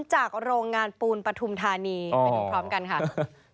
จากโรงงานปูนปฐุมธานีโอ้ไปตรงพร้อมกันฮะ